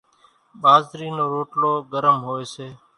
ٻازرِي نو روٽلو ڳرم هوئيَ سي۔